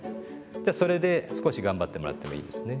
じゃあそれで少し頑張ってもらってもいいですね。